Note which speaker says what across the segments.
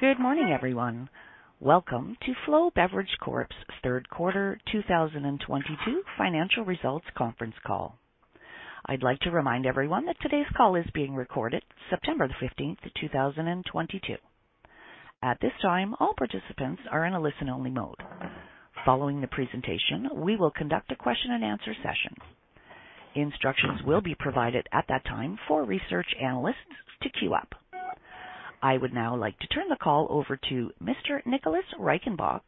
Speaker 1: Good morning, everyone. Welcome to Flow Beverage Corp.'s third quarter 2022 financial results conference call. I'd like to remind everyone that today's call is being recorded, September 15, 2022. At this time, all participants are in a listen-only mode. Following the presentation, we will conduct a question and answer session. Instructions will be provided at that time for research analysts to queue up. I would now like to turn the call over to Mr. Nicholas Reichenbach,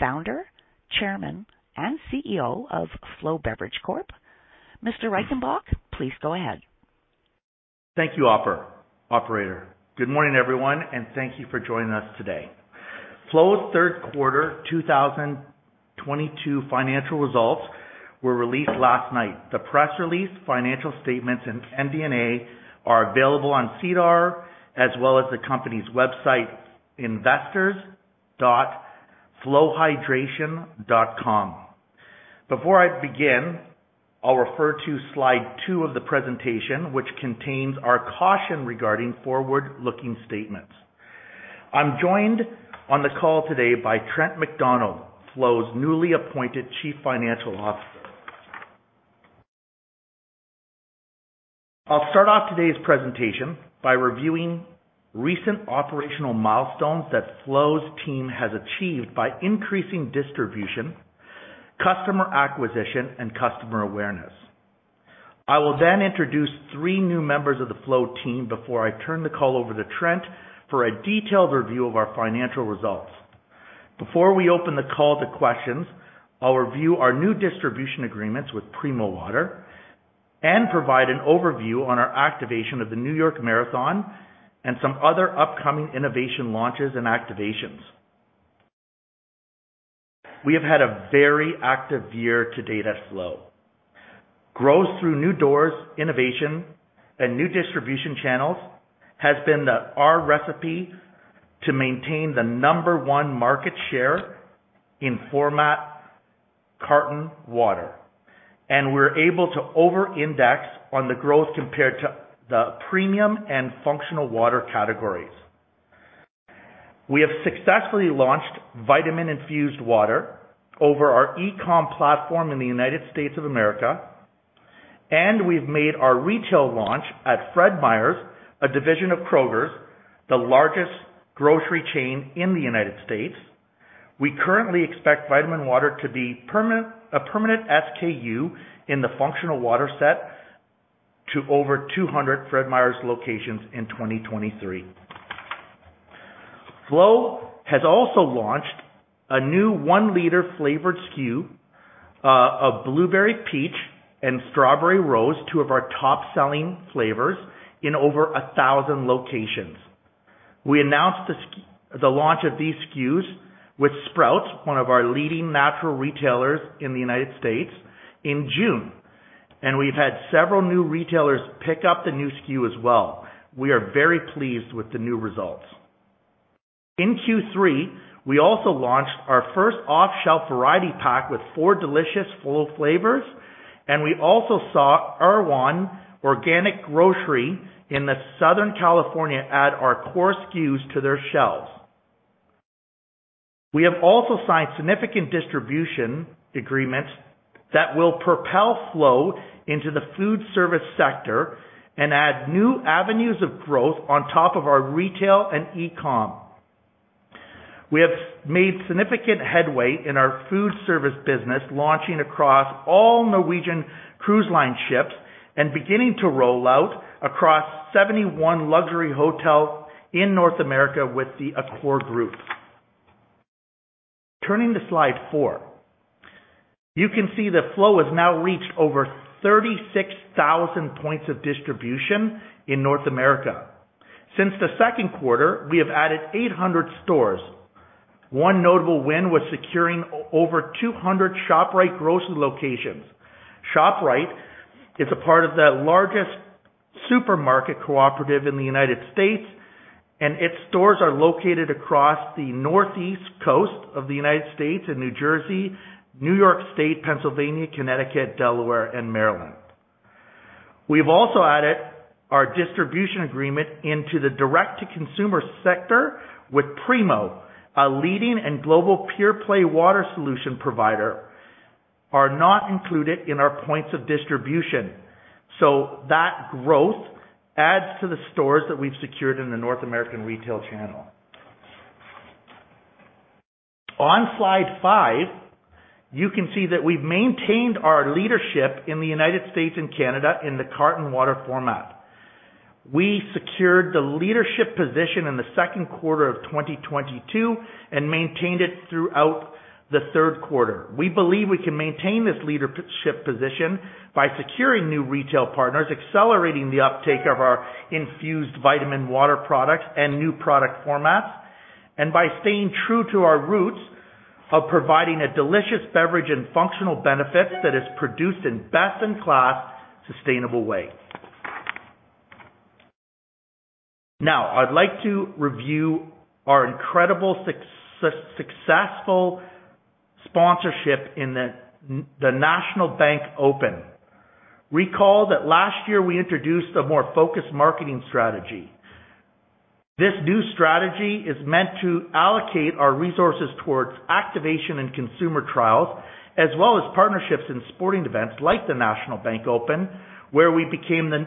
Speaker 1: Founder, Chairman, and CEO of Flow Beverage Corp. Mr. Reichenbach, please go ahead.
Speaker 2: Thank you, operator. Good morning, everyone, and thank you for joining us today. Flow's third quarter 2022 financial results were released last night. The press release, financial statements, and MD&A are available on SEDAR as well as the company's website investors.flowhydration.com. Before I begin, I'll refer to slide two of the presentation, which contains our caution regarding forward-looking statements. I'm joined on the call today by Trent MacDonald, Flow's newly appointed Chief Financial Officer. I'll start off today's presentation by reviewing recent operational milestones that Flow's team has achieved by increasing distribution, customer acquisition, and customer awareness. I will then introduce three new members of the Flow team before I turn the call over to Trent for a detailed review of our financial results. Before we open the call to questions, I'll review our new distribution agreements with Primo Water and provide an overview on our activation of the New York Marathon and some other upcoming innovation launches and activations. We have had a very active year to date at Flow. Growth through new doors, innovation, and new distribution channels has been the, our recipe to maintain the number one market share in format carton water. We're able to over-index on the growth compared to the premium and functional water categories. We have successfully launched vitamin infused water over our e-com platform in the United States of America, and we've made our retail launch at Fred Meyer, a division of Kroger's, the largest grocery chain in the United States. We currently expect vitamin water to be permanent, a permanent SKU in the functional water set to over 200 Fred Meyer locations in 2023. Flow has also launched a new 1-liter flavored SKU of blueberry peach and strawberry rose, two of our top selling flavors in over 1,000 locations. We announced the launch of these SKUs with Sprouts, one of our leading natural retailers in the United States in June, and we've had several new retailers pick up the new SKU as well. We are very pleased with the new results. In Q3, we also launched our first off shelf variety pack with 4 delicious Flow flavors, and we also saw Erewhon Organic Grocery in Southern California add our core SKUs to their shelves. We have also signed significant distribution agreements that will propel Flow into the food service sector and add new avenues of growth on top of our retail and e-com. We have made significant headway in our food service business, launching across all Norwegian Cruise Line ships and beginning to roll out across 71 luxury hotels in North America with the Accor Group. Turning to slide four. You can see that Flow has now reached over 36,000 points of distribution in North America. Since the second quarter, we have added 800 stores. One notable win was securing over 200 ShopRite grocery locations. ShopRite is a part of the largest supermarket cooperative in the United States, and its stores are located across the northeast coast of the United States in New Jersey, New York State, Pennsylvania, Connecticut, Delaware, and Maryland. We've also added our distribution agreement into the direct to consumer sector with Primo, a leading and global pure play water solutions provider, are not included in our points of distribution. That growth adds to the stores that we've secured in the North American retail channel. On slide five, you can see that we've maintained our leadership in the United States and Canada in the carton water format. We secured the leadership position in the second quarter of 2022 and maintained it throughout the third quarter. We believe we can maintain this leadership position by securing new retail partners, accelerating the uptake of our infused vitamin water products and new product formats, and by staying true to our roots of providing a delicious beverage and functional benefits that is produced in best in class, sustainable way. Now, I'd like to review our incredible successful sponsorship in the National Bank Open. Recall that last year we introduced a more focused marketing strategy. This new strategy is meant to allocate our resources towards activation and consumer trials, as well as partnerships in sporting events like the National Bank Open, where we became the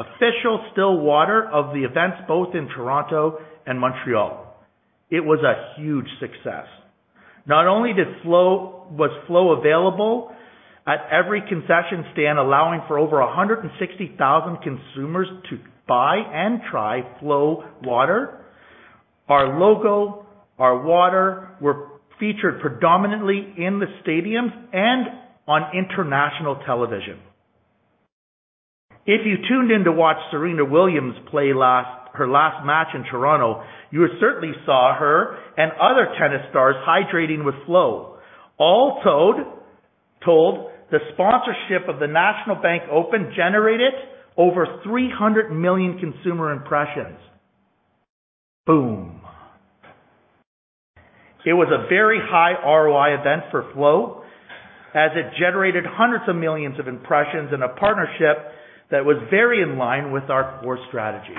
Speaker 2: official still water of the events both in Toronto and Montreal. It was a huge success. Not only was Flow available at every concession stand, allowing for over 160,000 consumers to buy and try Flow water. Our logo, our water were featured predominantly in the stadiums and on international television. If you tuned in to watch Serena Williams play her last match in Toronto, you certainly saw her and other tennis stars hydrating with Flow. All told, the sponsorship of the National Bank Open generated over 300 million consumer impressions. Boom. It was a very high ROI event for Flow, as it generated hundreds of millions of impressions in a partnership that was very in line with our core strategy.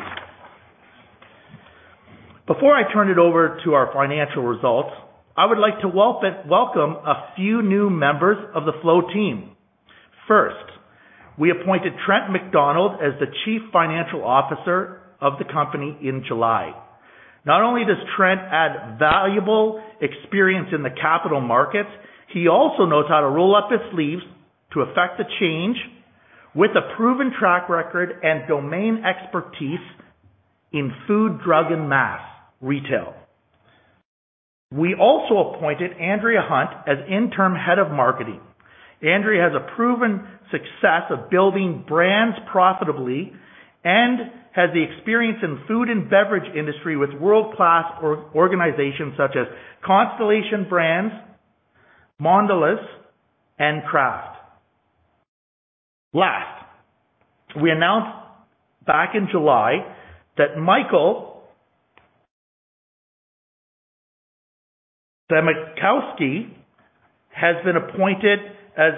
Speaker 2: Before I turn it over to our financial results, I would like to welcome a few new members of the Flow team. First, we appointed Trent MacDonald as the Chief Financial Officer of the company in July. Not only does Trent add valuable experience in the capital markets, he also knows how to roll up his sleeves to effect the change with a proven track record and domain expertise in food, drug, and mass retail. We also appointed Andrea Hunt as Interim Head of Marketing. Andrea has a proven success of building brands profitably and has the experience in food and beverage industry with world-class organizations such as Constellation Brands, Mondelēz, and Kraft. Last, we announced back in July that Michael Samoszewski has been appointed as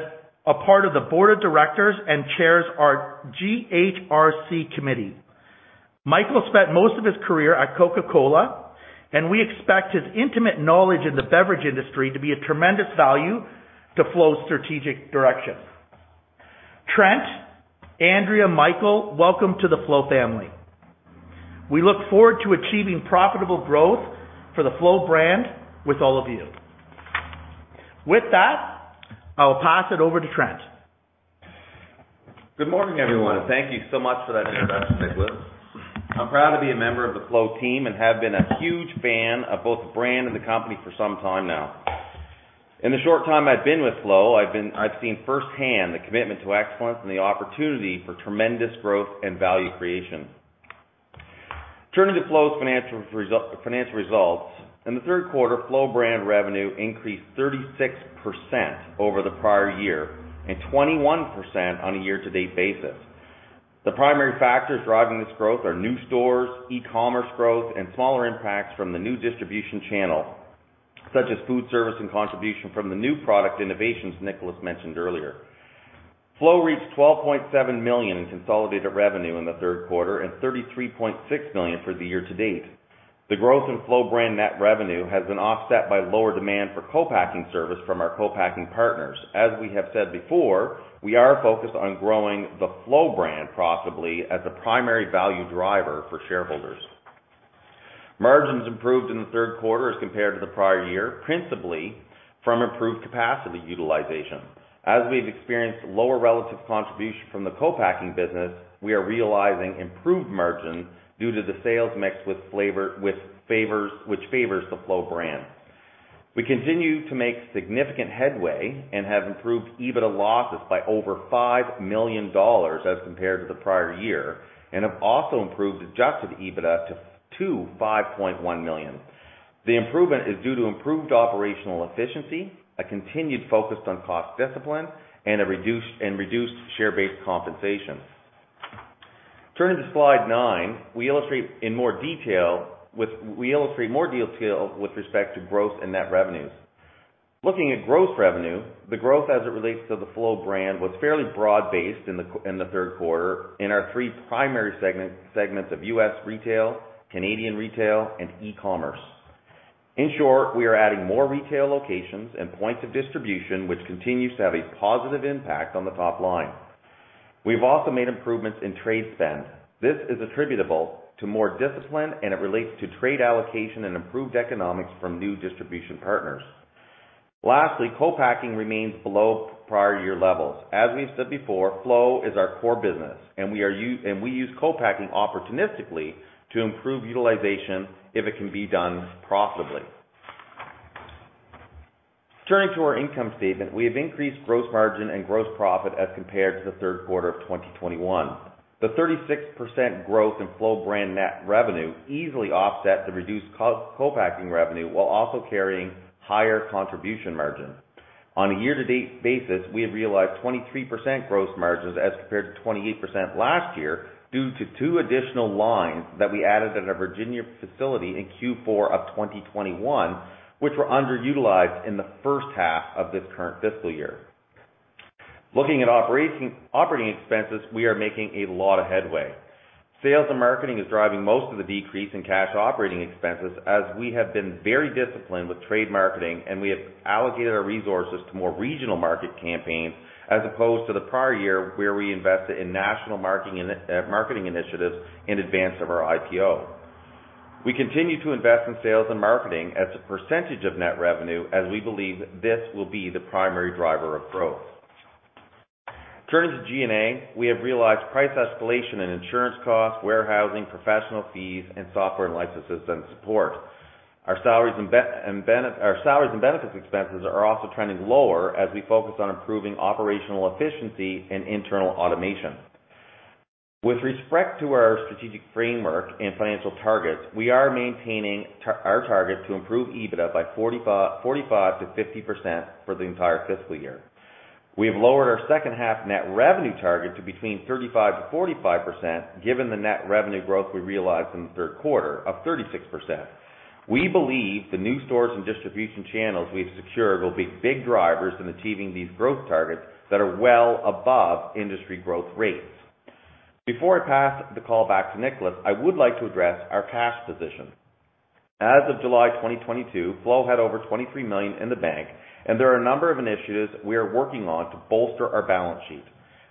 Speaker 2: a part of the board of directors and chairs our GHRC committee. Michael spent most of his career at Coca-Cola, and we expect his intimate knowledge in the beverage industry to be a tremendous value to Flow's strategic direction. Trent, Andrea, Michael, welcome to the Flow family. We look forward to achieving profitable growth for the Flow brand with all of you. With that, I will pass it over to Trent.
Speaker 3: Good morning, everyone, and thank you so much for that introduction, Nicholas. I'm proud to be a member of the Flow team and have been a huge fan of both the brand and the company for some time now. In the short time I've been with Flow, I've seen firsthand the commitment to excellence and the opportunity for tremendous growth and value creation. Turning to Flow's financial results. In the third quarter, Flow brand revenue increased 36% over the prior year and 21% on a year-to-date basis. The primary factors driving this growth are new stores, e-commerce growth, and smaller impacts from the new distribution channels, such as food service and contribution from the new product innovations Nicholas mentioned earlier. Flow reached 12.7 million in consolidated revenue in the third quarter and 33.6 million for the year to date. The growth in Flow brand net revenue has been offset by lower demand for co-packing service from our co-packing partners. We have said before, we are focused on growing the Flow brand profitably as a primary value driver for shareholders. Margins improved in the third quarter as compared to the prior year, principally from improved capacity utilization. We've experienced lower relative contribution from the co-packing business, we are realizing improved margins due to the sales mix with favor, which favors the Flow brand. We continue to make significant headway and have improved EBITDA losses by over 5 million dollars as compared to the prior year, and have also improved adjusted EBITDA to 5.1 million. The improvement is due to improved operational efficiency, a continued focus on cost discipline, and reduced share-based compensation. Turning to slide nine, we illustrate more detail with respect to growth in net revenues. Looking at growth revenue, the growth as it relates to the Flow brand was fairly broad-based in the third quarter in our three primary segments of U.S. retail, Canadian retail, and e-commerce. In short, we are adding more retail locations and points of distribution, which continues to have a positive impact on the top line. We've also made improvements in trade spend. This is attributable to more discipline, and it relates to trade allocation and improved economics from new distribution partners. Lastly, co-packing remains below prior year levels. As we've said before, Flow is our core business, and we use co-packing opportunistically to improve utilization if it can be done profitably. Turning to our income statement, we have increased gross margin and gross profit as compared to the third quarter of 2021. The 36% growth in Flow brand net revenue easily offset the reduced co-packing revenue while also carrying higher contribution margins. On a year-to-date basis, we have realized 23% gross margins as compared to 28% last year due to two additional lines that we added in our Virginia facility in Q4 of 2021, which were underutilized in the H1 of this current fiscal year. Looking at operating expenses, we are making a lot of headway. Sales and marketing is driving most of the decrease in cash operating expenses as we have been very disciplined with trade marketing and we have allocated our resources to more regional market campaigns as opposed to the prior year where we invested in national marketing initiatives in advance of our IPO. We continue to invest in sales and marketing as a percentage of net revenue as we believe this will be the primary driver of growth. Turning to G&A, we have realized price escalation in insurance costs, warehousing, professional fees, and software licenses and support. Our salaries and benefits expenses are also trending lower as we focus on improving operational efficiency and internal automation. With respect to our strategic framework and financial targets, we are maintaining our target to improve EBITDA by 45%-50% for the entire fiscal year. We have lowered our H2 net revenue target to between 35%-45%, given the net revenue growth we realized in the third quarter of 36%. We believe the new stores and distribution channels we've secured will be big drivers in achieving these growth targets that are well above industry growth rates. Before I pass the call back to Nicholas, I would like to address our cash position. As of July 2022, Flow had over 23 million in the bank, and there are a number of initiatives we are working on to bolster our balance sheet.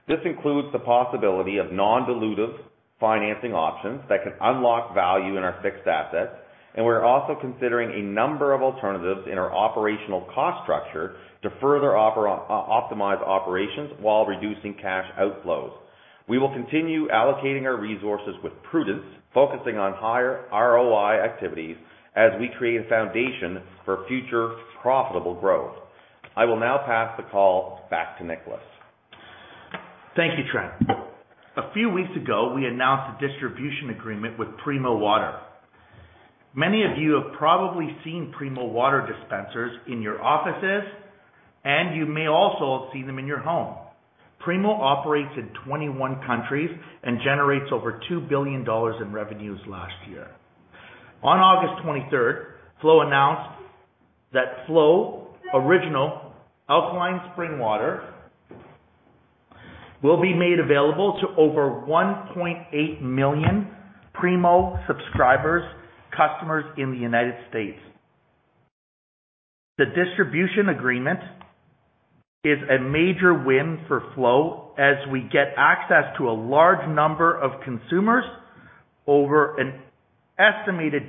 Speaker 3: This includes the possibility of non-dilutive financing options that can unlock value in our fixed assets, and we're also considering a number of alternatives in our operational cost structure to further optimize operations while reducing cash outflows. We will continue allocating our resources with prudence, focusing on higher ROI activities as we create a foundation for future profitable growth. I will now pass the call back to Nicholas.
Speaker 2: Thank you, Trent. A few weeks ago, we announced a distribution agreement with Primo Water. Many of you have probably seen Primo Water dispensers in your offices, and you may also have seen them in your home. Primo operates in 21 countries and generates over $2 billion in revenues last year. On August 23, Flow announced that Flow original alkaline spring water will be made available to over 1.8 million Primo subscribers, customers in the United States. The distribution agreement is a major win for Flow as we get access to a large number of consumers over an established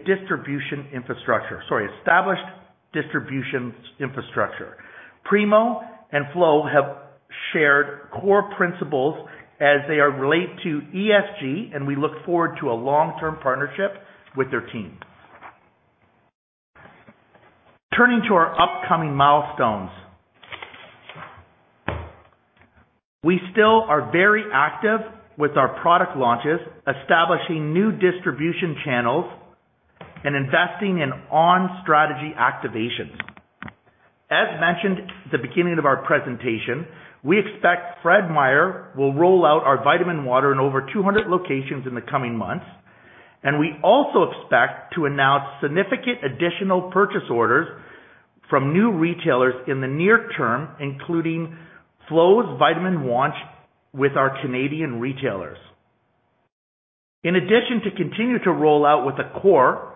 Speaker 2: distribution infrastructure. Primo and Flow have shared core principles as they relate to ESG, and we look forward to a long-term partnership with their team. Turning to our upcoming milestones. We still are very active with our product launches, establishing new distribution channels, and investing in on-strategy activations. As mentioned at the beginning of our presentation, we expect Fred Meyer will roll out our vitamin water in over 200 locations in the coming months, and we also expect to announce significant additional purchase orders from new retailers in the near term, including Flow's vitamin launch with our Canadian retailers. In addition, we continue to roll out our core with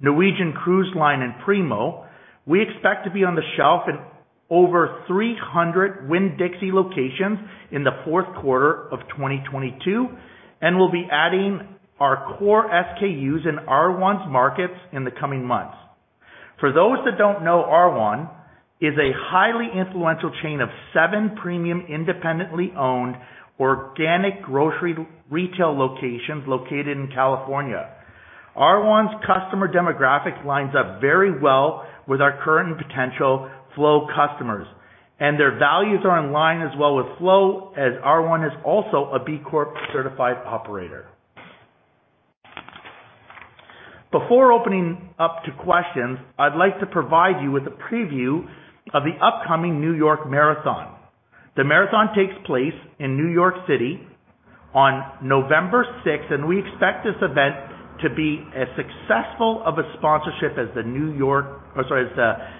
Speaker 2: Norwegian Cruise Line and Primo, we expect to be on the shelf in over 300 Winn-Dixie locations in the fourth quarter of 2022, and we'll be adding our core SKUs in Erewhon's markets in the coming months. For those that don't know, Erewhon is a highly influential chain of seven premium, independently owned organic grocery retail locations located in California. R1's customer demographics lines up very well with our current and potential Flow customers, and their values are in line as well with Flow, as Erewhon is also a B Corp certified operator. Before opening up to questions, I'd like to provide you with a preview of the upcoming New York Marathon. The marathon takes place in New York City on November sixth, and we expect this event to be as successful of a sponsorship as the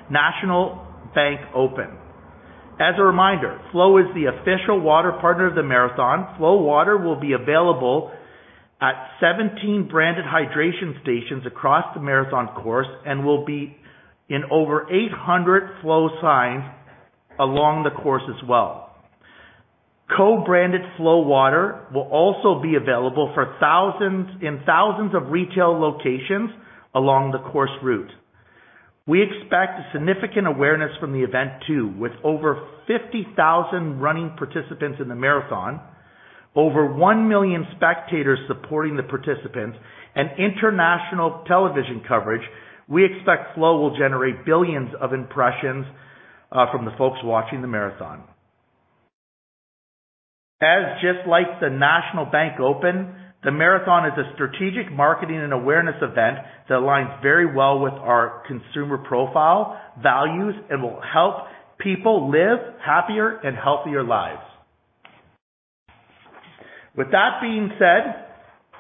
Speaker 2: National Bank Open. As a reminder, Flow is the official water partner of the marathon. Flow Water will be available at 17 branded hydration stations across the marathon course and will be in over 800 Flow signs along the course as well. Co-branded Flow water will also be available in thousands of retail locations along the course route. We expect significant awareness from the event too. With over 50,000 running participants in the marathon, over one million spectators supporting the participants, and international television coverage, we expect Flow will generate billions of impressions from the folks watching the marathon. Just like the National Bank Open, the marathon is a strategic marketing and awareness event that aligns very well with our consumer profile values and will help people live happier and healthier lives. With that being said,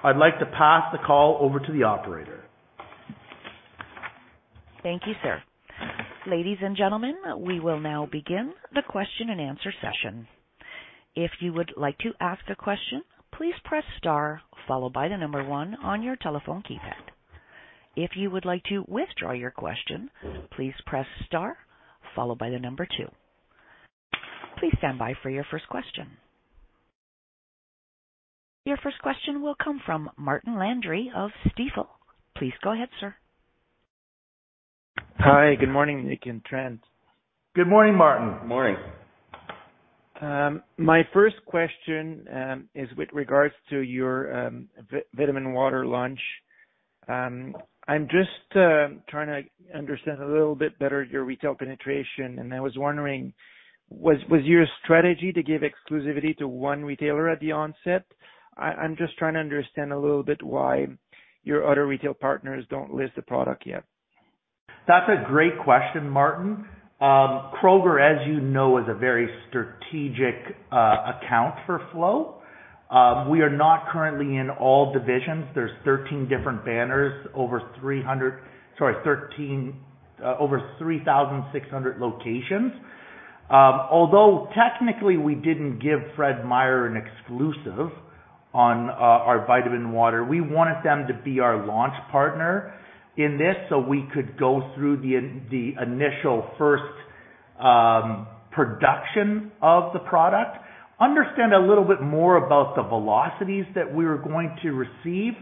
Speaker 2: I'd like to pass the call over to the operator.
Speaker 1: Thank you, sir. Ladies and gentlemen, we will now begin the question and answer session. If you would like to ask a question, please press star followed by the number one on your telephone keypad. If you would like to withdraw your question, please press star followed by the number two. Please stand by for your first question. Your first question will come from Martin Landry of Stifel. Please go ahead, sir.
Speaker 4: Hi. Good morning, Nick and Trent.
Speaker 2: Good morning, Martin.
Speaker 3: Morning.
Speaker 4: My first question is with regards to your Flow Vitamin-Infused Water launch. I'm just trying to understand a little bit better your retail penetration, and I was wondering, was your strategy to give exclusivity to one retailer at the onset? I'm just trying to understand a little bit why your other retail partners don't list the product yet.
Speaker 2: That's a great question, Martin. Kroger, as you know, is a very strategic account for Flow. We are not currently in all divisions. There's 13 different banners over 3,600 locations. Although technically we didn't give Fred Meyer an exclusive on our Vitaminwater, we wanted them to be our launch partner in this so we could go through the initial first production of the product, understand a little bit more about the velocities that we were going to receive,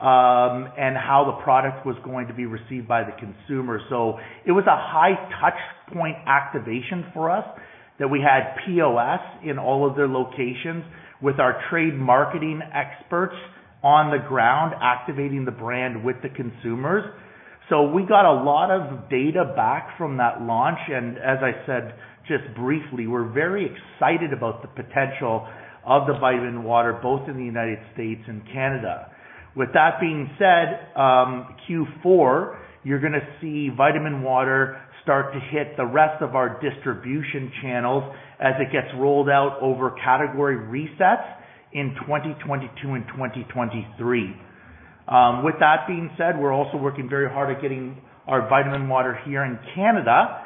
Speaker 2: and how the product was going to be received by the consumer. It was a high touch point activation for us that we had POS in all of their locations with our trade marketing experts on the ground activating the brand with the consumers. We got a lot of data back from that launch, and as I said just briefly, we're very excited about the potential of the Flow vitamin-infused water both in the United States and Canada. With that being said, Q4, you're gonna see Flow vitamin-infused water start to hit the rest of our distribution channels as it gets rolled out over category resets in 2022 and 2023. With that being said, we're also working very hard at getting our Flow vitamin-infused water here in Canada,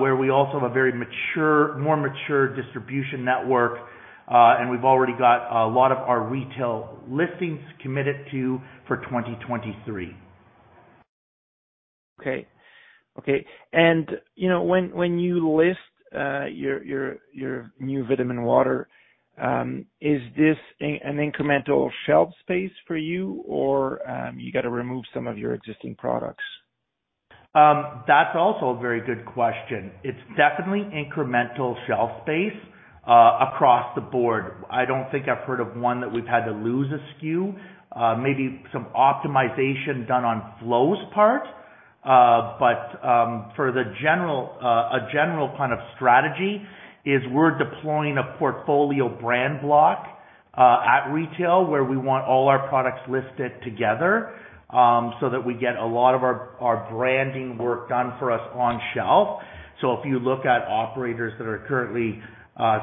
Speaker 2: where we also have a more mature distribution network, and we've already got a lot of our retail listings committed to for 2023.
Speaker 4: Okay. You know, when you list your new Vitaminwater, is this an incremental shelf space for you or you got to remove some of your existing products?
Speaker 2: That's also a very good question. It's definitely incremental shelf space across the board. I don't think I've heard of one that we've had to lose a SKU. Maybe some optimization done on Flow's part. A general kind of strategy is we're deploying a portfolio brand block at retail where we want all our products listed together so that we get a lot of our branding work done for us on shelf. If you look at operators that are currently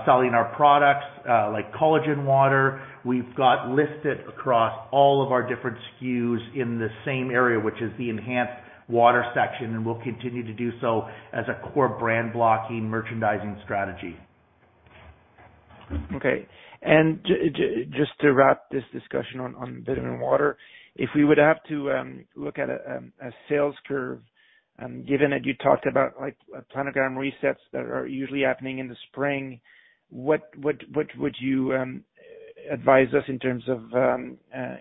Speaker 2: selling our products like Collagen Infused Water, we've got listed across all of our different SKUs in the same area, which is the enhanced water section, and we'll continue to do so as a core brand blocking merchandising strategy.
Speaker 4: Okay. Just to wrap this discussion on Vitaminwater. If we would have to look at a sales curve, given that you talked about like planogram resets that are usually happening in the spring, what would you advise us in terms of,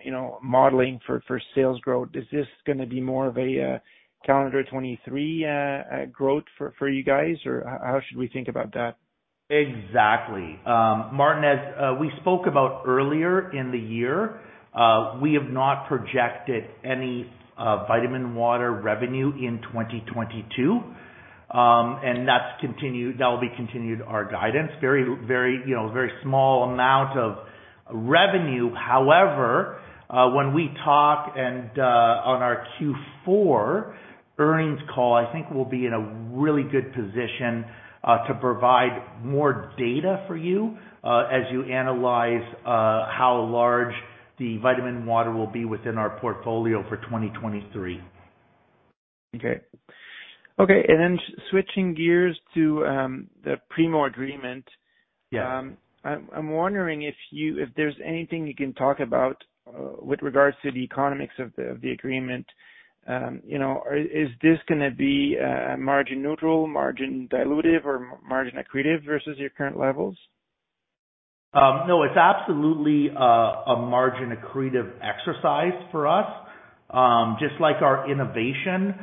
Speaker 4: you know, modeling for sales growth? Is this gonna be more of a calendar 2023 growth for you guys? Or how should we think about that?
Speaker 2: Exactly. Martin, as we spoke about earlier in the year, we have not projected any Vitamin-Infused Water revenue in 2022, and that will continue to be our guidance. Very, you know, small amount of revenue. However, when we talk and on our Q4 earnings call, I think we'll be in a really good position to provide more data for you as you analyze how large the Vitamin-Infused Water will be within our portfolio for 2023.
Speaker 4: Okay. Switching gears to the Primo agreement.
Speaker 2: Yes.
Speaker 4: I'm wondering if there's anything you can talk about with regards to the economics of the agreement. You know, is this gonna be margin neutral, margin dilutive or margin accretive versus your current levels?
Speaker 2: No, it's absolutely a margin accretive exercise for us. Just like our innovation,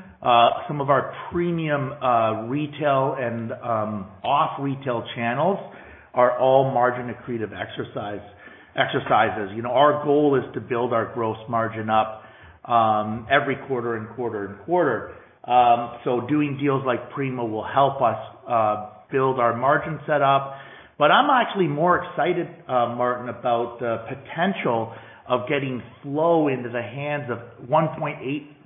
Speaker 2: some of our premium retail and off retail channels are all margin accretive exercises. You know, our goal is to build our gross margin up every quarter. So doing deals like Primo will help us build our margins up. But I'm actually more excited, Martin, about the potential of getting Flow into the hands of 1.8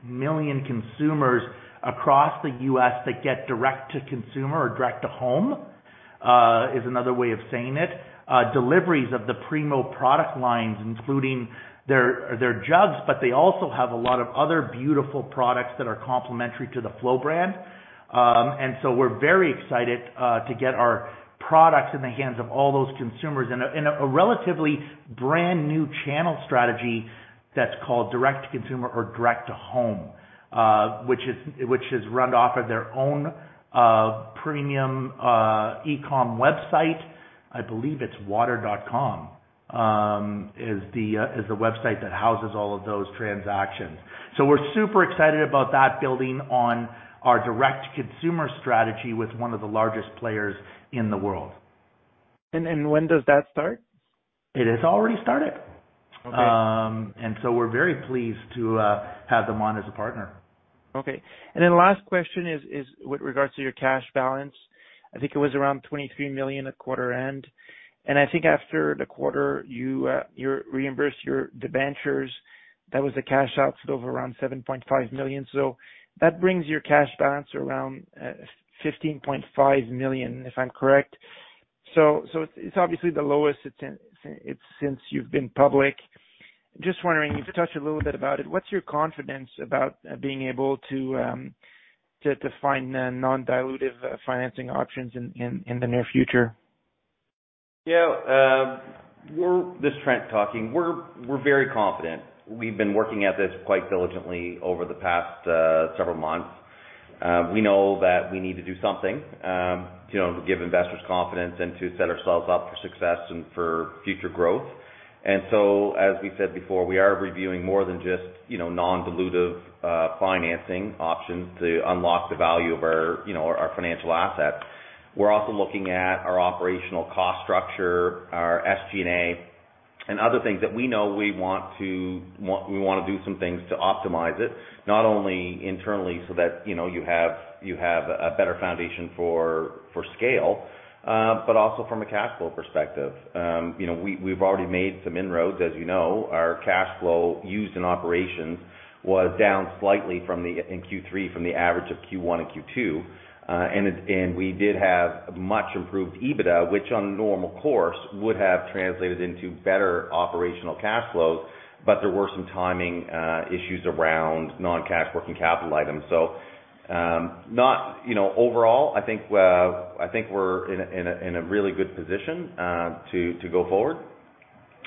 Speaker 2: million consumers across the US that get direct to consumer or direct to home, is another way of saying it. Deliveries of the Primo product lines, including their jugs, but they also have a lot of other beautiful products that are complementary to the Flow brand. We're very excited to get our products in the hands of all those consumers in a relatively brand new channel strategy that's called direct to consumer or direct to home, which is run off of their own premium e-com website. I believe it's water.com is the website that houses all of those transactions. We're super excited about that building on our direct consumer strategy with one of the largest players in the world.
Speaker 4: When does that start?
Speaker 2: It has already started.
Speaker 4: Okay.
Speaker 2: We're very pleased to have them on as a partner.
Speaker 4: Okay. Last question is with regards to your cash balance. I think it was around 23 million at quarter end. I think after the quarter, you reimbursed your debentures. That was a cash out of around 7.5 million. So that brings your cash balance around 15.5 million, if I'm correct. So it's obviously the lowest it's been since you've been public. Just wondering if you could touch a little bit about it. What's your confidence about being able to to find non-dilutive financing options in the near future?
Speaker 3: Yeah. This is Trent talking. We're very confident. We've been working at this quite diligently over the past several months. We know that we need to do something to, you know, give investors confidence and to set ourselves up for success and for future growth. As we said before, we are reviewing more than just, you know, non-dilutive financing options to unlock the value of our, you know, our financial assets. We're also looking at our operational cost structure, our SG&A, and other things that we know we want to do some things to optimize it, not only internally so that, you know, you have a better foundation for scale, but also from a cash flow perspective. We've already made some inroads. As you know, our cash flow used in operations was down slightly in Q3 from the average of Q1 and Q2. We did have much improved EBITDA, which in a normal course would have translated into better operational cash flows, but there were some timing issues around non-cash working capital items. You know, overall, I think we're in a really good position to go forward.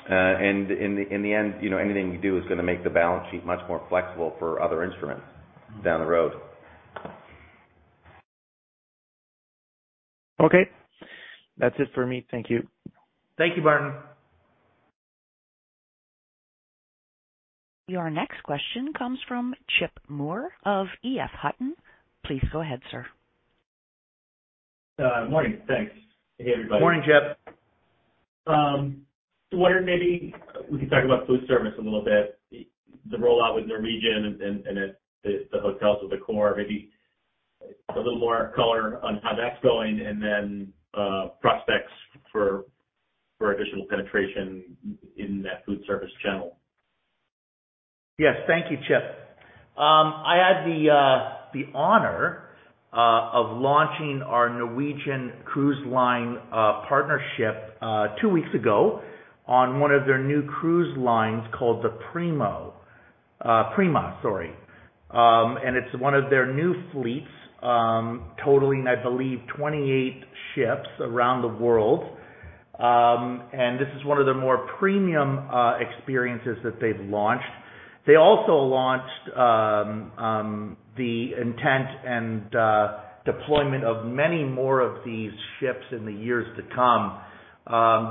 Speaker 3: In the end, you know, anything we do is gonna make the balance sheet much more flexible for other instruments down the road.
Speaker 4: Okay. That's it for me. Thank you.
Speaker 2: Thank you, Martin.
Speaker 1: Your next question comes from Chip Moore of EF Hutton. Please go ahead, sir.
Speaker 5: Morning, thanks. Hey, everybody.
Speaker 2: Morning, Chip.
Speaker 5: Wondering, maybe we can talk about food service a little bit, the rollout with Norwegian and at the hotels with Accor, maybe a little more color on how that's going, and then prospects for additional penetration in that food service channel.
Speaker 2: Yes. Thank you, Chip. I had the honor of launching our Norwegian Cruise Line partnership two weeks ago on one of their new cruise lines called the Prima, sorry. It's one of their new fleets totaling, I believe, 28 ships around the world. This is one of the more premium experiences that they've launched. They also launched the intent and deployment of many more of these ships in the years to come.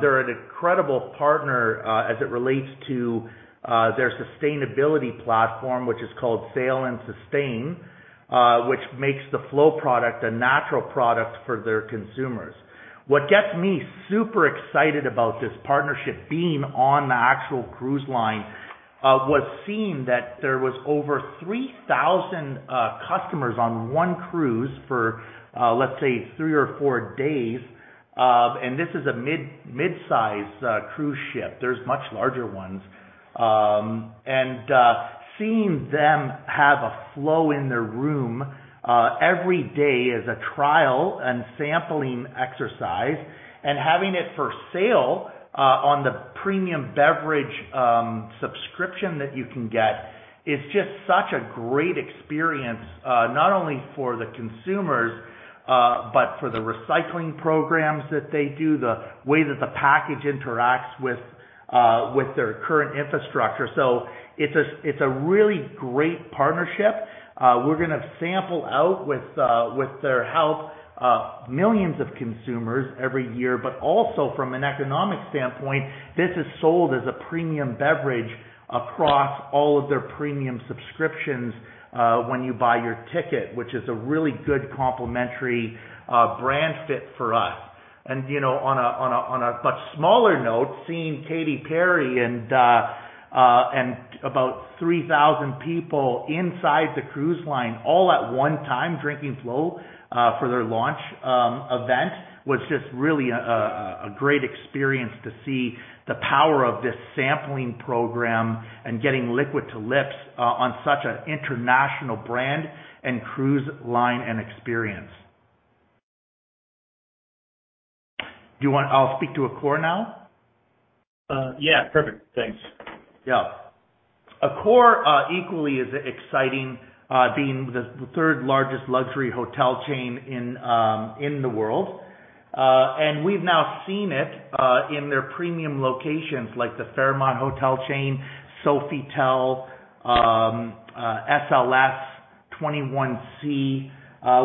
Speaker 2: They're an incredible partner as it relates to their sustainability platform, which is called Sail & Sustain, which makes the Flow product a natural product for their consumers. What gets me super excited about this partnership being on the actual cruise line was seeing that there was over 3,000 customers on one cruise for, let's say three or four days. This is a mid-size cruise ship. There's much larger ones. Seeing them have a Flow in their room every day as a trial and sampling exercise and having it for sale on the premium beverage subscription that you can get is just such a great experience, not only for the consumers, but for the recycling programs that they do, the way that the package interacts with their current infrastructure. It's a really great partnership. We're gonna sample out with their help millions of consumers every year, but also from an economic standpoint, this is sold as a premium beverage across all of their premium subscriptions when you buy your ticket, which is a really good complementary brand fit for us. You know, on a much smaller note, seeing Katy Perry and about 3,000 people inside the cruise line all at one time drinking Flow for their launch event was just really a great experience to see the power of this sampling program and getting liquid to lips on such an international brand and cruise line and experience. Do you want? I'll speak to Accor now.
Speaker 5: Yeah. Perfect. Thanks.
Speaker 2: Yeah. Accor is equally exciting, being the third largest luxury hotel chain in the world. We've now seen it in their premium locations like the Fairmont Hotels & Resorts, Sofitel, SLS, 21c,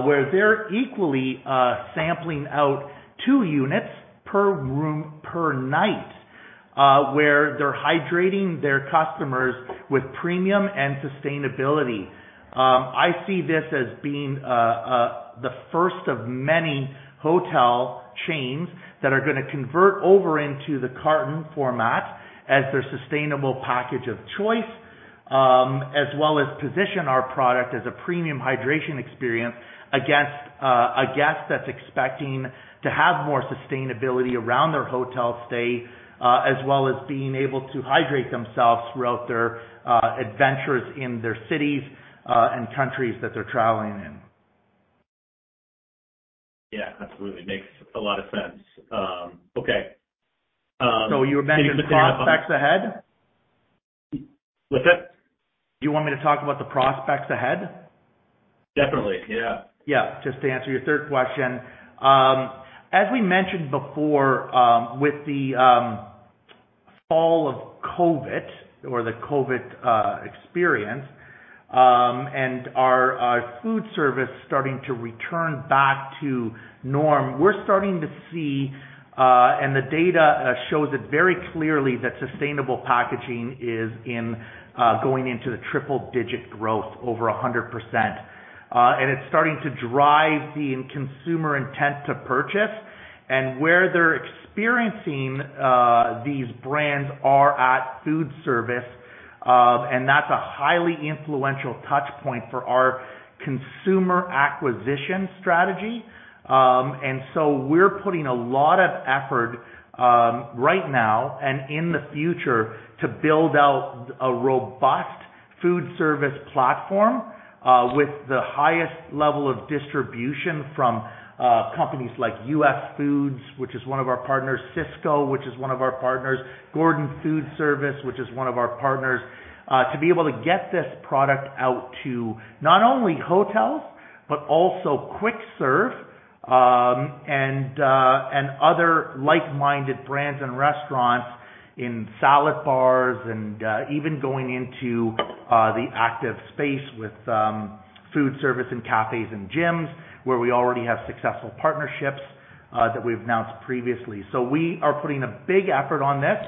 Speaker 2: where they're already sampling two units per room per night. Where they're hydrating their customers with premium and sustainability. I see this as being the first of many hotel chains that are gonna convert over into the carton format as their sustainable package of choice, as well as position our product as a premium hydration experience for a guest that's expecting to have more sustainability around their hotel stay, as well as being able to hydrate themselves throughout their adventures in their cities and countries that they're traveling in.
Speaker 5: Yeah, absolutely. Makes a lot of sense. Okay.
Speaker 2: You mentioned prospects ahead?
Speaker 5: What's that?
Speaker 2: You want me to talk about the prospects ahead?
Speaker 5: Definitely, yeah.
Speaker 2: Yeah. Just to answer your third question. As we mentioned before, with the fall of COVID or the COVID experience, and our food service starting to return back to normal, we're starting to see, and the data shows it very clearly that sustainable packaging is going into triple-digit growth over 100%. It's starting to drive the consumer intent to purchase. Where they're experiencing these brands at food service, and that's a highly influential touch point for our consumer acquisition strategy. We're putting a lot of effort right now and in the future to build out a robust food service platform with the highest level of distribution from companies like US Foods, which is one of our partners, Sysco, which is one of our partners, Gordon Food Service, which is one of our partners, to be able to get this product out to not only hotels, but also quick serve and other like-minded brands and restaurants in salad bars and even going into the active space with food service and cafes and gyms, where we already have successful partnerships that we've announced previously. We are putting a big effort on this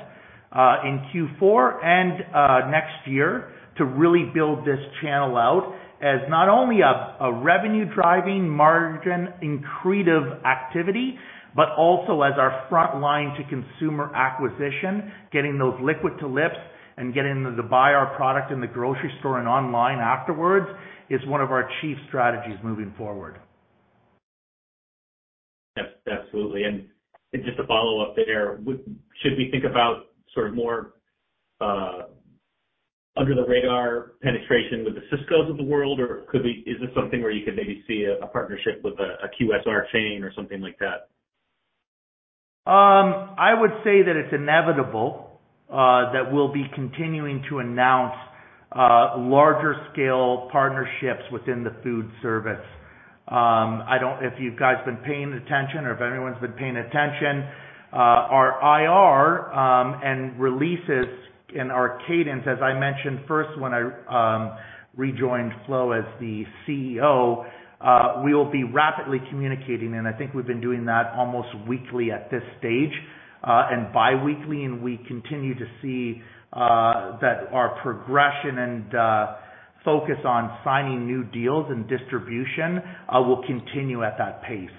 Speaker 2: in Q4 and next year to really build this channel out as not only a revenue-driving margin accretive activity, but also as our front line to consumer acquisition. Getting those liquid to lips and getting them to buy our product in the grocery store and online afterwards is one of our chief strategies moving forward.
Speaker 5: Yep, absolutely. Just to follow up there, should we think about sort of more under the radar penetration with the Syscos of the world, or could we? Is this something where you could maybe see a partnership with a QSR chain or something like that?
Speaker 2: I would say that it's inevitable that we'll be continuing to announce larger scale partnerships within the food service. If you guys have been paying attention or if anyone's been paying attention, our IR and releases in our cadence, as I mentioned first when I rejoined Flow as the CEO, we will be rapidly communicating, and I think we've been doing that almost weekly at this stage, and bi-weekly, and we continue to see that our progression and focus on signing new deals and distribution will continue at that pace.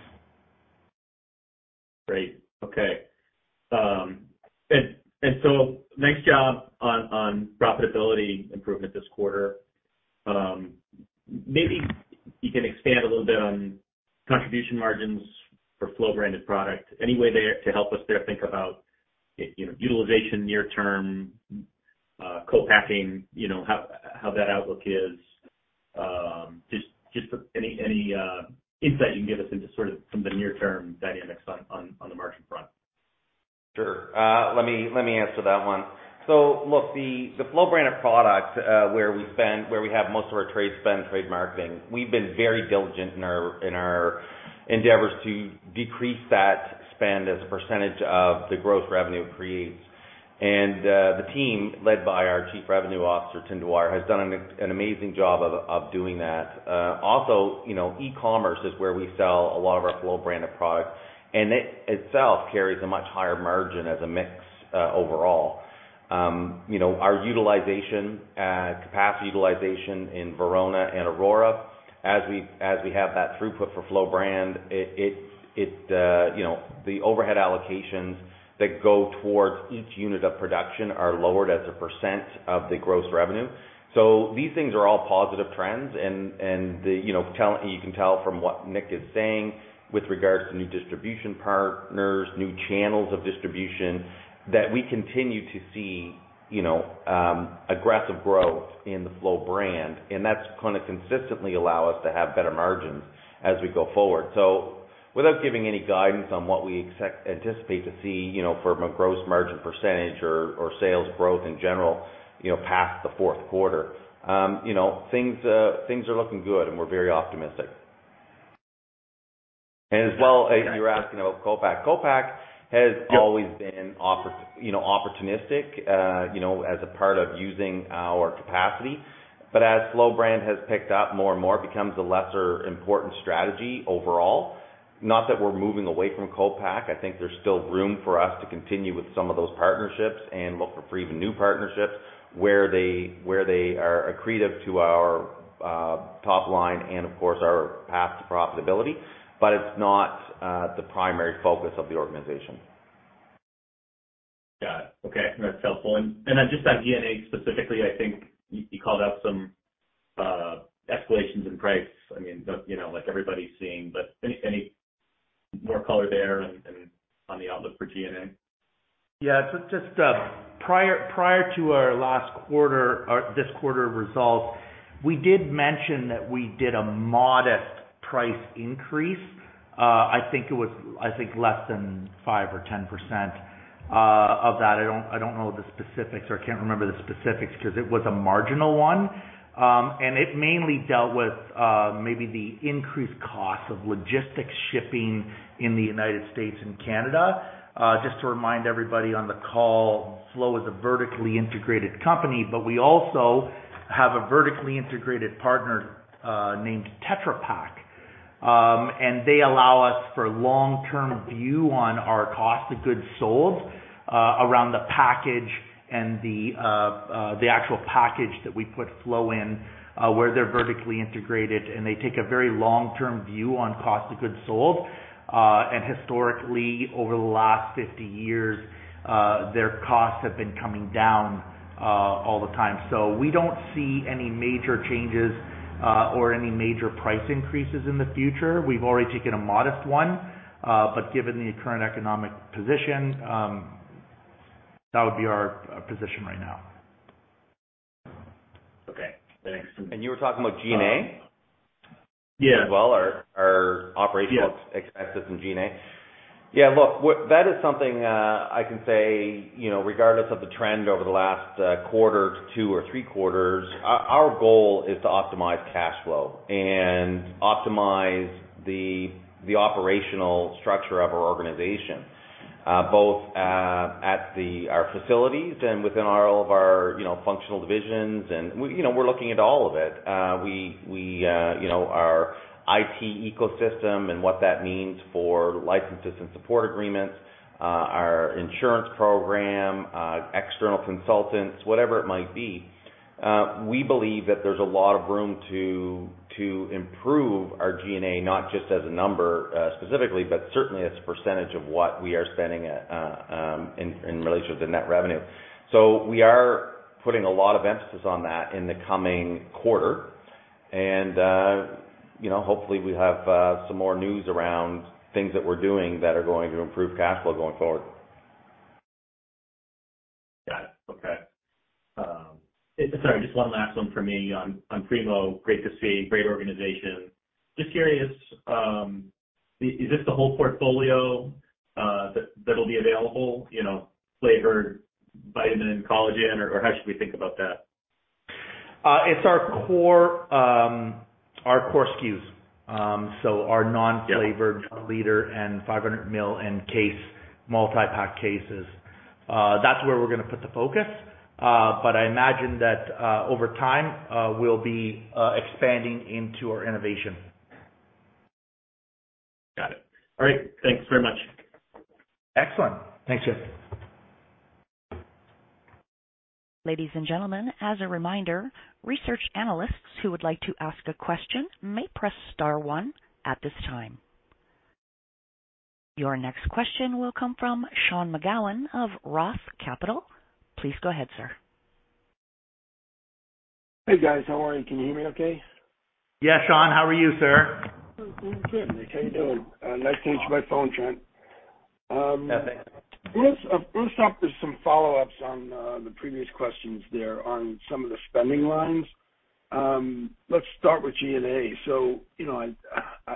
Speaker 5: Great. Okay. Nice job on profitability improvement this quarter. Maybe you can expand a little bit on contribution margins for Flow-branded product. Any way there to help us there think about, you know, utilization near term, co-packing, you know, how that outlook is. Just any insight you can give us into sort of some of the near-term dynamics on the margin front.
Speaker 3: Sure. Let me answer that one. Look, the Flow brand of product, where we have most of our trade spend, trade marketing, we've been very diligent in our endeavors to decrease that spend as a percentage of the gross revenue it creates. The team led by our Chief Revenue Officer, Tim Dwyer, has done an amazing job of doing that. Also, you know, e-commerce is where we sell a lot of our Flow brand of product, and it itself carries a much higher margin as a mix, overall. You know, our utilization, capacity utilization in Verona and Aurora, as we have that throughput for Flow brand, it you know, the overhead allocations that go towards each unit of production are lowered as a percent of the gross revenue. These things are all positive trends and the you know you can tell from what Nick is saying with regards to new distribution partners, new channels of distribution, that we continue to see you know aggressive growth in the Flow brand, and that's gonna consistently allow us to have better margins as we go forward. Without giving any guidance on what we anticipate to see, you know, from a gross margin percentage or sales growth in general, you know, past the fourth quarter, you know, things are looking good and we're very optimistic. As well, you were asking about co-pack. Co-pack has always been opportunistic, you know, as a part of using our capacity. As Flow brand has picked up more and more, it becomes a lesser important strategy overall. Not that we're moving away from co-pack. I think there's still room for us to continue with some of those partnerships and look for even new partnerships where they are accretive to our top line and of course our path to profitability. But it's not the primary focus of the organization.
Speaker 5: Got it. Okay, that's helpful. Just on G&A specifically, I think you called out some escalations in price. I mean, you know, like everybody's seeing, but any more color there and on the outlook for G&A?
Speaker 2: Just prior to our last quarter or this quarter results, we did mention that we did a modest price increase. I think it was, I think less than 5% or 10% of that. I don't know the specifics or can't remember the specifics because it was a marginal one. It mainly dealt with maybe the increased cost of logistics shipping in the United States and Canada. Just to remind everybody on the call, Flow is a vertically integrated company, but we also have a vertically integrated partner named Tetra Pak. They allow us for long-term view on our cost of goods sold around the package and the actual package that we put Flow in, where they're vertically integrated, and they take a very long-term view on cost of goods sold. Historically, over the last 50 years, their costs have been coming down all the time. We don't see any major changes or any major price increases in the future. We've already taken a modest one. Given the current economic position, that would be our position right now.
Speaker 5: Okay, thanks.
Speaker 3: You were talking about SG&A?
Speaker 5: Yeah.
Speaker 3: Our operational expenses in SG&A. Yeah, look, that is something I can say, you know, regardless of the trend over the last quarter to two or three quarters, our goal is to optimize cash flow and optimize the operational structure of our organization, both at our facilities and within all of our, you know, functional divisions. You know, we're looking at all of it. You know, our IT ecosystem and what that means for licenses and support agreements, our insurance program, external consultants, whatever it might be. We believe that there's a lot of room to improve our SG&A, not just as a number, specifically, but certainly as a percentage of what we are spending, in relation to the net revenue. We are putting a lot of emphasis on that in the coming quarter. You know, hopefully we have some more news around things that we're doing that are going to improve cash flow going forward.
Speaker 5: Got it. Okay. Sorry, just one last one for me on Primo. Great to see. Great organization. Just curious, is this the whole portfolio that that'll be available, you know, flavored vitamin and collagen, or how should we think about that?
Speaker 2: It's our core SKUs. Our non-flavored liter and 500 ml in multi-pack cases. That's where we're gonna put the focus. I imagine that over time we'll be expanding into our innovation.
Speaker 5: Got it. All right. Thanks very much.
Speaker 2: Excellent. Thanks, Chip.
Speaker 1: Ladies and gentlemen, as a reminder, research analysts who would like to ask a question may press star one at this time. Your next question will come from Sean McGowan of Roth Capital Partners. Please go ahead, sir.
Speaker 6: Hey, guys, how are you? Can you hear me okay?
Speaker 2: Yeah, Sean, how are you, sir?
Speaker 6: I'm good. How you doing? Nice to use my phone, Trent. Let us start with some follow-ups on the previous questions there on some of the spending lines. Let's start with G&A. You know,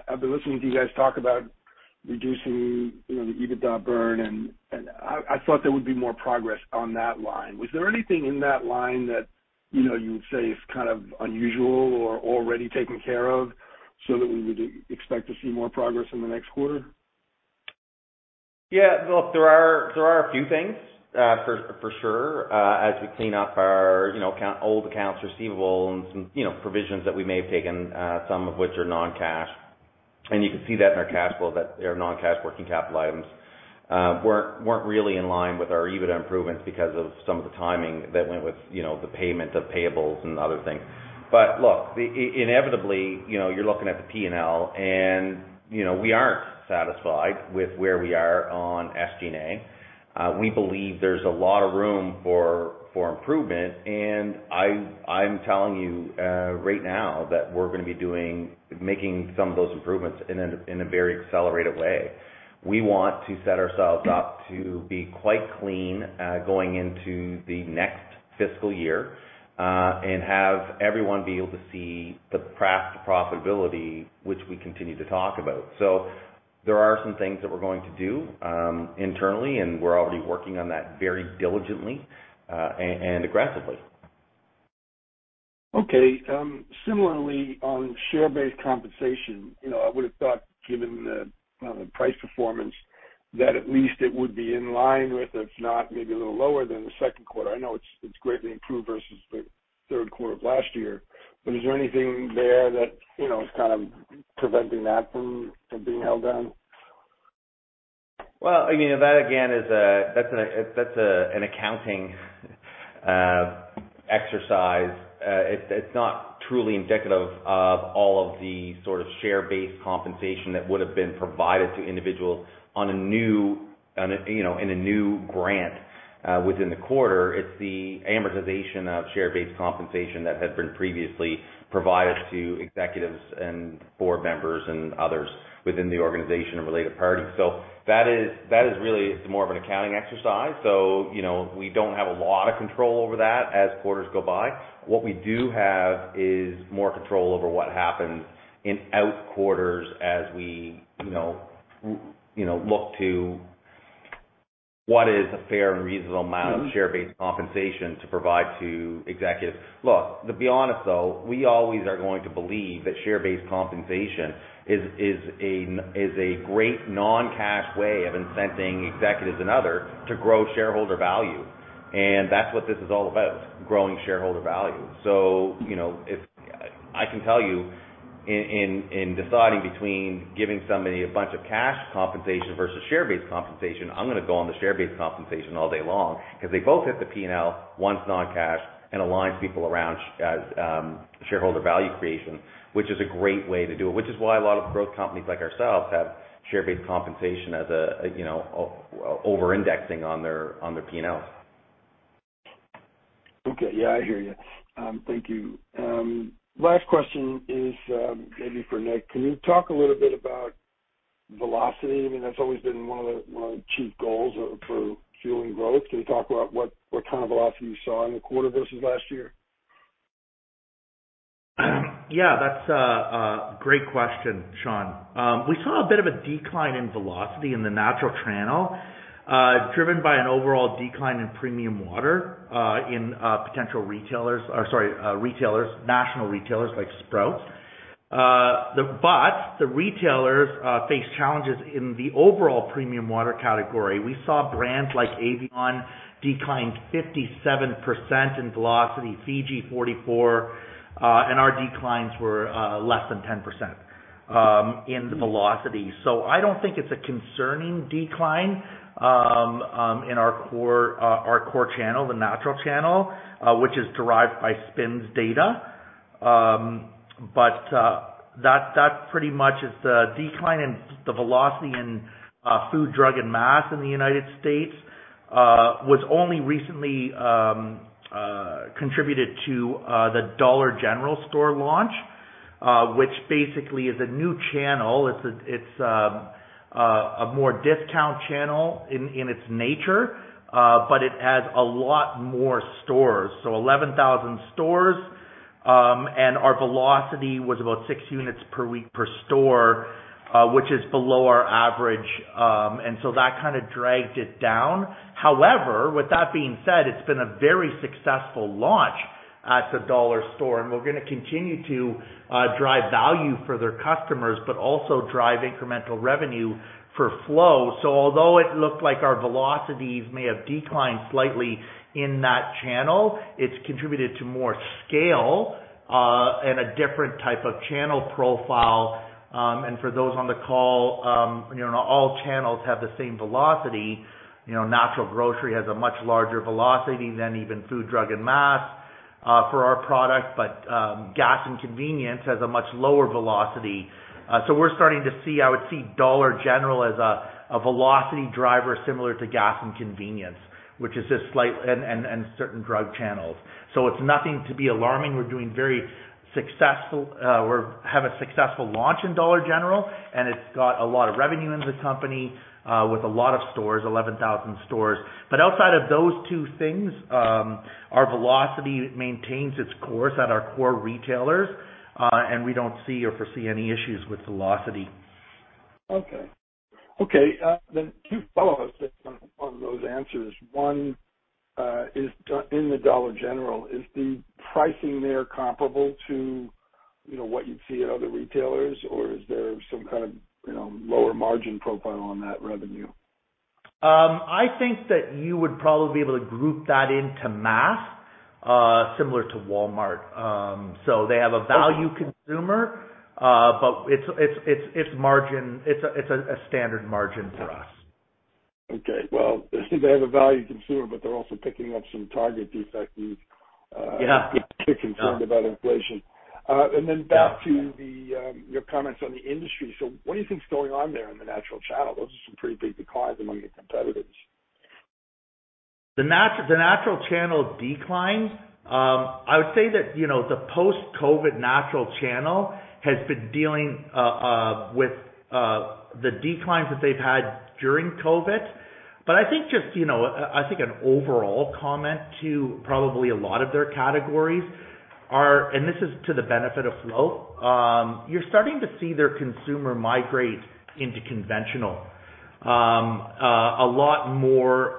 Speaker 6: I've been listening to you guys talk about reducing the EBITDA burn, and I thought there would be more progress on that line. Was there anything in that line that you know, you would say is kind of unusual or already taken care of so that we would expect to see more progress in the next quarter?
Speaker 3: Look, there are a few things for sure as we clean up our, you know, old accounts receivable and some, you know, provisions that we may have taken, some of which are non-cash. You can see that in our cash flow that there non-cash working capital items weren't really in line with our EBITDA improvements because of some of the timing that went with, you know, the payment of payables and other things. Look, inevitably, you know, you're looking at the P&L, and, you know, we aren't satisfied with where we are on SG&A. We believe there's a lot of room for improvement, and I'm telling you right now that we're gonna be making some of those improvements in a very accelerated way. We want to set ourselves up to be quite clean, going into the next fiscal year, and have everyone be able to see the past profitability which we continue to talk about. There are some things that we're going to do, internally, and we're already working on that very diligently, and aggressively.
Speaker 6: Okay. Similarly, on share-based compensation, you know, I would have thought given the price performance that at least it would be in line with, if not maybe a little lower than the second quarter. I know it's greatly improved versus the third quarter of last year. Is there anything there that, you know, is kind of preventing that from being held down?
Speaker 3: I mean, that again is a. That's an accounting exercise. It's not truly indicative of all of the sort of share-based compensation that would have been provided to individuals on a new, you know, in a new grant within the quarter. It's the amortization of share-based compensation that had been previously provided to executives and board members and others within the organization and related parties. That is really more of an accounting exercise. You know, we don't have a lot of control over that as quarters go by. What we do have is more control over what happens in our quarters as we, you know, look to what is a fair and reasonable amount of share-based compensation to provide to executives. Look, to be honest though, we always are going to believe that share-based compensation is a great non-cash way of incenting executives and other to grow shareholder value. That's what this is all about, growing shareholder value. You know, if I can tell you in deciding between giving somebody a bunch of cash compensation versus share-based compensation, I'm gonna go on the share-based compensation all day long because they both hit the P&L, one's non-cash, and aligns people around shareholder value creation, which is a great way to do it, which is why a lot of growth companies like ourselves have share-based compensation as a, you know, over-indexing on their P&L.
Speaker 6: Okay. Yeah, I hear you. Thank you. Last question is, maybe for Nick. Can you talk a little bit about velocity? I mean, that's always been one of the chief goals for fueling growth. Can you talk about what kind of velocity you saw in the quarter versus last year?
Speaker 2: Yeah. That's a great question, Sean. We saw a bit of a decline in velocity in the natural channel, driven by an overall decline in premium water in retailers, national retailers like Sprouts. The retailers face challenges in the overall premium water category. We saw brands like Evian decline 57% in velocity, Fiji 44%, and our declines were less than 10% in velocity. I don't think it's a concerning decline in our core channel, the natural channel, which is derived by SPINS data. That pretty much is the decline in the velocity in food, drug, and mass in the United States was only recently contributed to the Dollar General launch, which basically is a new channel. It's a more discount channel in its nature, but it has a lot more stores, so 11,000 stores. Our velocity was about six units per week per store, which is below our average. That kinda dragged it down. However, with that being said, it's been a very successful launch at Dollar General, and we're gonna continue to drive value for their customers, but also drive incremental revenue for Flow. Although it looked like our velocities may have declined slightly in that channel, it's contributed to more scale, and a different type of channel profile. For those on the call, you know, not all channels have the same velocity. You know, natural grocery has a much larger velocity than even food, drug, and mass, for our product. Gas and convenience has a much lower velocity. We're starting to see, I would see Dollar General as a velocity driver similar to gas and convenience, which is just slightly and certain drug channels. It's nothing to be alarming. We're doing very successful, or have a successful launch in Dollar General, and it's got a lot of revenue in the company, with a lot of stores, 11,000 stores. Outside of those two things, our velocity maintains its course at our core retailers, and we don't see or foresee any issues with velocity.
Speaker 6: Okay. Two follow-ups on those answers. One, in the Dollar General, is the pricing there comparable to, you know, what you'd see at other retailers, or is there some kind of, you know, lower margin profile on that revenue?
Speaker 2: I think that you would probably be able to group that into mass similar to Walmart. They have a value consumer, but it's margin. It's a standard margin for us.
Speaker 6: Well, they have a value consumer, but they're also picking up some Target defectors.
Speaker 2: Yeah.
Speaker 6: Concerned about inflation. Back to your comments on the industry. What do you think is going on there in the natural channel? Those are some pretty big declines among your competitors.
Speaker 2: The natural channel declines. I would say that, you know, the post-COVID natural channel has been dealing with the declines that they've had during COVID. I think just, you know, an overall comment to probably a lot of their categories are, and this is to the benefit of Flow, you're starting to see their consumer migrate into conventional a lot more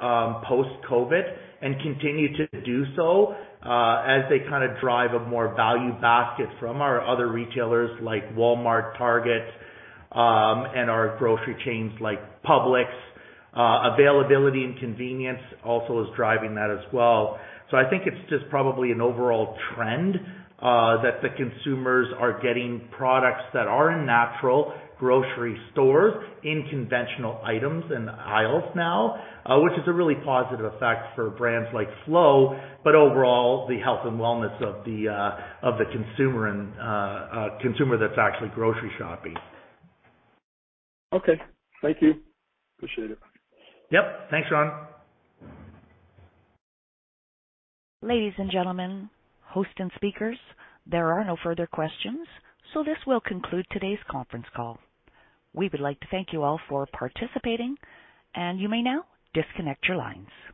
Speaker 2: post-COVID and continue to do so, as they kinda drive a more value basket from our other retailers like Walmart, Target, and our grocery chains like Publix. Availability and convenience also is driving that as well. I think it's just probably an overall trend that the consumers are getting products that are in natural grocery stores in conventional items and aisles now, which is a really positive effect for brands like Flow, but overall the health and wellness of the consumer that's actually grocery shopping.
Speaker 6: Okay. Thank you. Appreciate it.
Speaker 2: Yep. Thanks, Sean McGowan.
Speaker 1: Ladies and gentlemen, hosts and speakers, there are no further questions. This will conclude today's conference call. We would like to thank you all for participating, and you may now disconnect your lines.